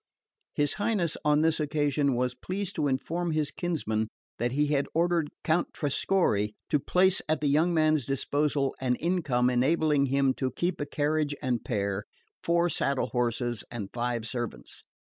His Highness on this occasion was pleased to inform his kinsman that he had ordered Count Trescorre to place at the young man's disposal an income enabling him to keep a carriage and pair, four saddle horses and five servants.